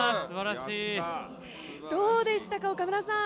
どうでしたか、岡村さん！